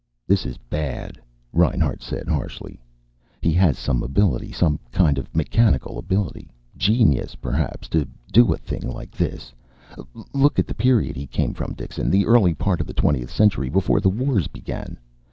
"This is bad," Reinhart said harshly. "He has some ability, some kind of mechanical ability. Genius, perhaps, to do a thing like this. Look at the period he came from, Dixon. The early part of the twentieth century. Before the wars began.